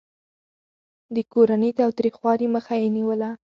د کورني تاوتريخوالي مخه يې نيوله.